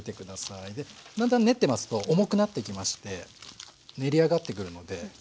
だんだん練ってますと重くなってきまして練り上がってくるので。